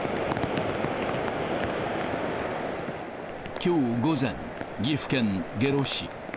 きょう午前、岐阜県下呂市。